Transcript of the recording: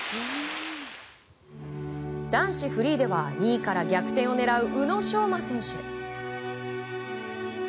男子フリーでは、２位から逆転を狙う宇野昌磨選手。